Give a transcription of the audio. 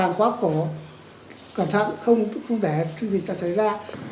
đang khoác của cẩn thận không để sự gì đó xảy ra